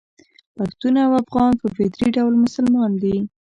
پښتون او افغان په فطري ډول مسلمان دي.